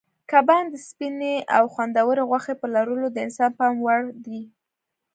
کبان د سپینې او خوندورې غوښې په لرلو د انسان پام وړ دي.